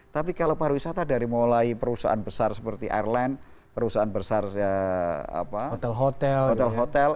tapi kalau pariwisata dari mulai perusahaan besar seperti airline perusahaan besar hotel hotel